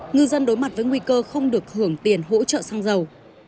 ngư dân đối mặt với nguy cơ không được hưởng tiền hỗ trợ xăng dầu